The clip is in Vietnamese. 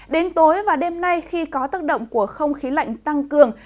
đến tối và đêm nay khi có tác động của không khí lạnh tăng cường